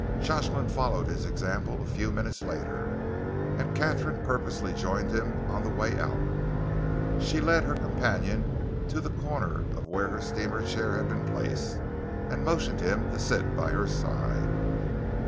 Jocelyn followed his example a few minutes later, and Katharine purposely joined him on the way out. She led her companion to the corner where her steamer chair had been placed, and motioned him to sit by her side.